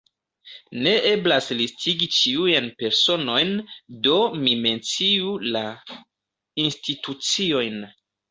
Ne eblas listigi ĉiujn personojn, do mi menciu la instituciojn.